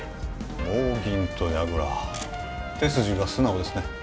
棒銀と矢倉手筋が素直ですね